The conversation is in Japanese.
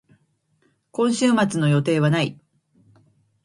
今週末の予定はない。